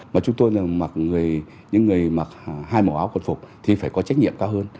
mà chúng tôi là mặc những người mặc hai màu áo quần phục thì phải có trách nhiệm cao hơn